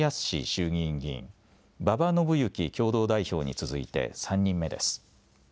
衆議院議員、馬場伸幸共同代表に続いて３人目です。